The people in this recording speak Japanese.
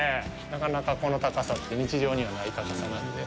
なかなか、この高さって日常にはない高さなので。